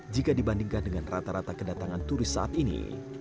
jika dibandingkan dengan rata rata kedatangan turis saat ini